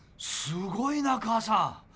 すごいな母さん。